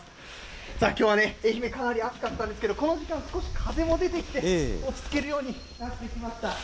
さあ、きょうはね、愛媛、かなり暑かったですけど、この時間、少し風も出ていて、落ち着けるようになってきました。